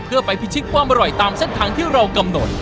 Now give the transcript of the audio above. เพื่อไปพิชิตความอร่อยตามเส้นทางที่เรากำหนด